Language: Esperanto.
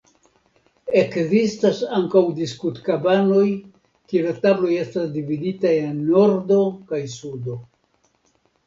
Ekzistas ankaŭ diskutkabanoj kie la tabloj estas dividitaj en nordo kaj sudo.